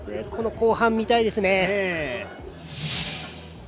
後半、見たいですね。